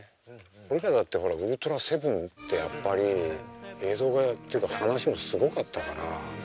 俺らだってほら「ウルトラセブン」ってやっぱり映像がっていうか話もすごかったから。